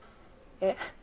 えっ？